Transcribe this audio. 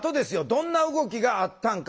どんな動きがあったんかね？